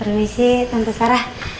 permisi tante sarah